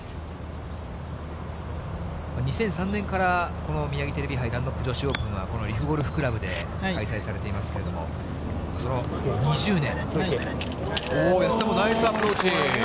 ２００３年から、このミヤギテレビ杯ダンロップ女子オープンは、この利府ゴルフ倶楽部で開催されていますけれども、その２０年。